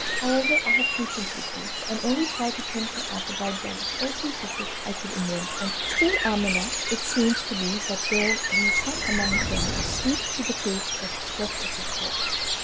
However I had patience with you, and only tried to tempt your appetite by the choicest dishes I could invent, but all to no purpose. Still, Amina, it seems to me that there be some among them as sweet to the taste as the flesh of a corpse?"